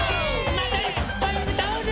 またいっぱいうたおうね！